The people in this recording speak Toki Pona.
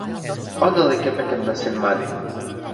ona li kepeken nasin mani.